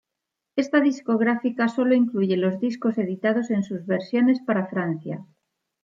Esta discografía solo incluye los discos editados en sus versiones para Francia.